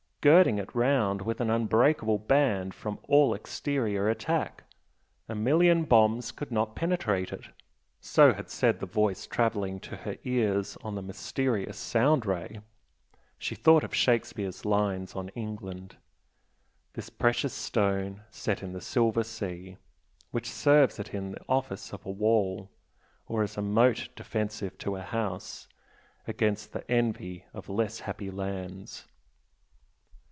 girding it round with an unbreakable band from all exterior attack? A million bombs could not penetrate it, so had said the Voice travelling to her ears on the mysterious Sound Ray. She thought of Shakespeare's lines on England "This precious stone set in the silver sea Which serves it in the office of a wall, Or as a moat defensive to a house Against the envy of less happy lands."